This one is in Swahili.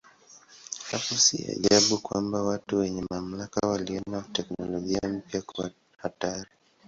Hapo si ajabu kwamba watu wenye mamlaka waliona teknolojia mpya kuwa hatari.